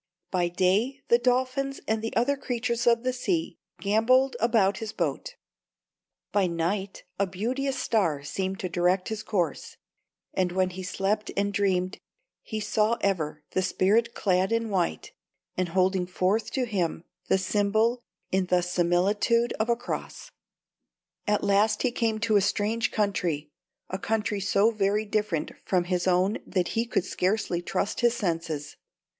By day the dolphins and the other creatures of the sea gambolled about his boat; by night a beauteous Star seemed to direct his course; and when he slept and dreamed, he saw ever the spirit clad in white, and holding forth to him the symbol in the similitude of a cross. At last he came to a strange country, a country so very different from his own that he could scarcely trust his senses.